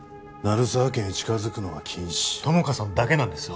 鳴沢家に近づくのは禁止友果さんだけなんです